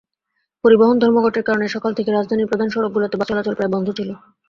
পরিবহন ধর্মঘটের কারণে সকাল থেকে রাজধানীর প্রধান সড়কগুলোতে বাস চলাচল প্রায় বন্ধ ছিল।